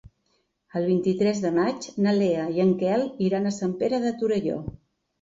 El vint-i-tres de maig na Lea i en Quel iran a Sant Pere de Torelló.